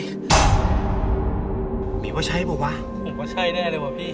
มีว่าใช่เปล่าวะผมว่าใช่แน่เลยว่ะพี่